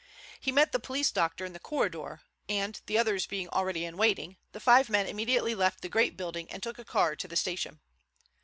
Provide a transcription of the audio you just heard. He met the police doctor in the corridor and, the others being already in waiting, the five men immediately left the great building and took a car to the station.